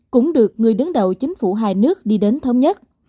cũng được người đứng đầu chính phủ hai nước đi đến thống nhất